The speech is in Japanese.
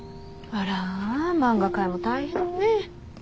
あら漫画界も大変ね。